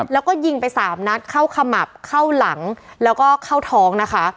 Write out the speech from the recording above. แล้วก็ยิงไปสามนัดเข้าขมับเข้าหลังแล้วก็เข้าท้องนะคะ